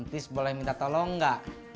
nanti boleh minta tolong ga